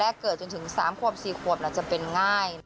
เด็กแรกเกิดจนถึง๓ขวบ๔ขวบจะเป็นง่าย